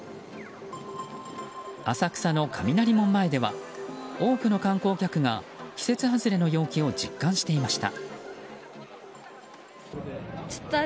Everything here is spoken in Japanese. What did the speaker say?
浅草の雷門前では多くの観光客が季節外れの陽気を実感していました。